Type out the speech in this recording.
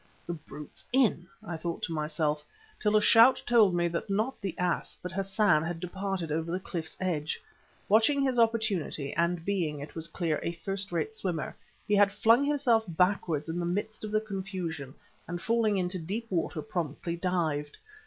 The brute's in! I thought to myself, till a shout told me that not the ass, but Hassan had departed over the cliff's edge. Watching his opportunity and being, it was clear, a first rate swimmer, he had flung himself backwards in the midst of the confusion and falling into deep water, promptly dived.